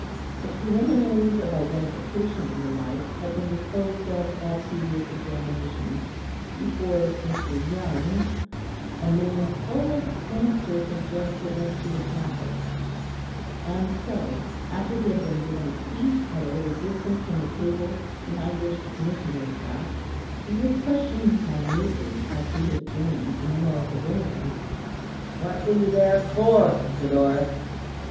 The preliminaries of identification and the like had been disposed of at previous examinations before Mr. Young a name full of sinister suggestiveness to the Catholics; and so, after he had been given a seat at a little distance from the table behind which the Commissioners sat, he was questioned minutely as to his journey in the North of England. "What were you there for, Mr. Norris?"